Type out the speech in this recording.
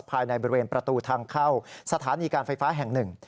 ภายในบริเวณประตูทางเข้าสถานีการไฟฟ้าแห่ง๑